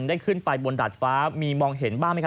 ได้ขึ้นไปบนดาดฟ้ามีมองเห็นบ้างไหมครับ